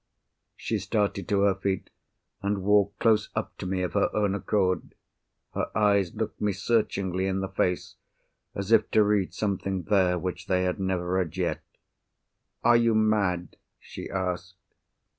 She started to her feet; and walked close up to me of her own accord. Her eyes looked me searchingly in the face, as if to read something there which they had never read yet. "Are you mad?" she asked.